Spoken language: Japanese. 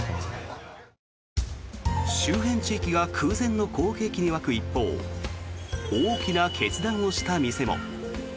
周辺地域が空前の好景気に沸く一方大きな決断をした店も。